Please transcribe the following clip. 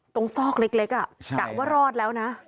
ตรงซอกเล็กอ่ะกะว่ารอดแล้วนะ